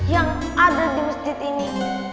yang ada di masjid ini